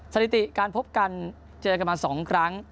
สถิติการพบกันเจอกันมา๒ครั้ง